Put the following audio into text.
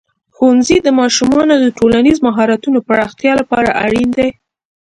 ښوونځی د ماشومانو د ټولنیزو مهارتونو پراختیا لپاره اړین دی.